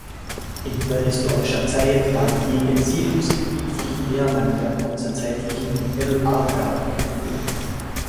In prähistorischer Zeit war die Gegend Siedlungsgebiet von Iberern der bronzezeitlichen El-Argar-Kultur.